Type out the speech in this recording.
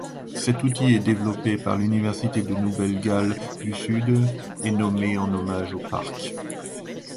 Cet outil est développé par l'université de Nouvelle-Galles-du-Sud et nommé en hommage au parc.